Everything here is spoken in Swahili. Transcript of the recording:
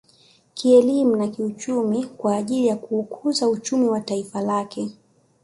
Kielimu na kiuchumi kwa ajili ya kuukuza uchumi wa taifa lake